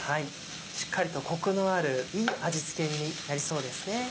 しっかりとコクのあるいい味付けになりそうですね。